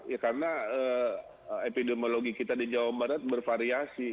ya karena epidemiologi kita di jawa barat bervariasi